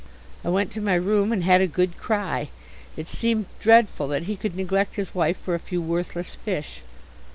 I went to my room and had a good cry. It seemed dreadful that he could neglect his wife for a few worthless fish.